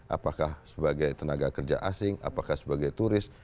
apakah sebagai tenaga kerja asing apakah sebagai turis